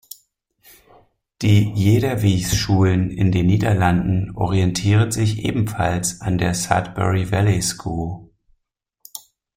Die Iederwijs-Schulen in den Niederlanden orientieren sich ebenfalls an der Sudbury Valley School.